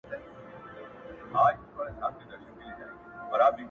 تېر سو زموږ له سیمي، څه پوښتې چي کاروان څه ویل؛